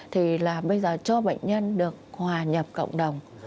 thì là bây giờ cho bệnh nhân được hòa nhập cộng đồng